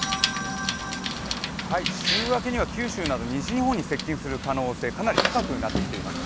週明けには九州など西日本に接近する可能性、かなり高くなってきています。